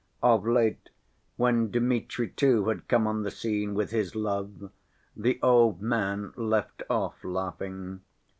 Of late, when Dmitri too had come on the scene with his love, the old man left off laughing.